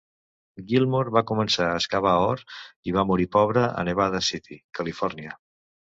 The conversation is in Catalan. Gilmore va començar a excavar or i va morir pobre a Nevada City, Califòrnia.